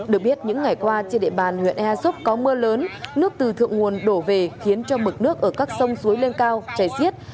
được biết những ngày qua trên địa bàn huyện ea súp có mưa lớn nước từ thượng nguồn đổ về khiến cho mực nước ở các sông suối lên cao chảy xiết